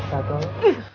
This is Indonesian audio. nggak ada kayaknya